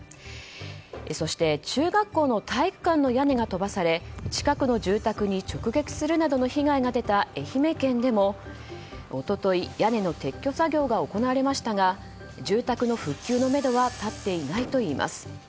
そして中学校の体育館の屋根が飛ばされ近くの住宅に直撃するなどの被害が出た愛媛県でも一昨日、屋根の撤去作業が行われましたが住宅の復旧のめどは立っていないといいます。